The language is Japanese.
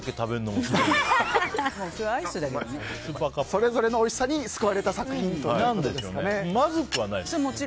それぞれのおいしさに救われた作品ということでしょうかね。